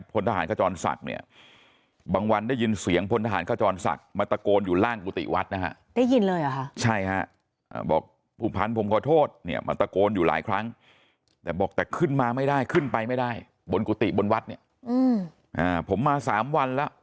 พลทหารขจรศักดิ์เนี่ยบางวันได้ยินเสียงพลทหารขจรศักดิ์มาตะโกนอยู่ล่างกุฏิวัดนะฮะ